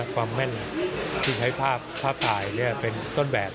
ความแม่นที่ใช้ภาพถ่ายเป็นต้นแบบ